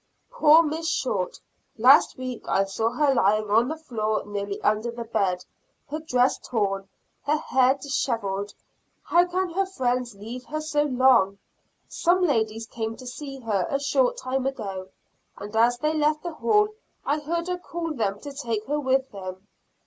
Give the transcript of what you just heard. Poor Miss Short! Last week I saw her lying on the floor nearly under the bed, her dress torn, her hair disheveled. How can her friends leave her so long! Some ladies came to see her a short time ago, and as they left the hall I heard her call them to take her with them.